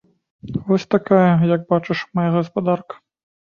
Вось такая, як бачыш, мая гаспадарка.